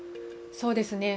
そうですね。